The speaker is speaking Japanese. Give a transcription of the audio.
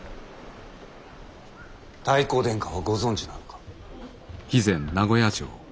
太閤殿下はご存じなのか？